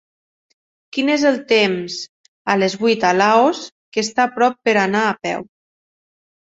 Quin és el tems a les vuit a Laos, que està a prop per anar a peu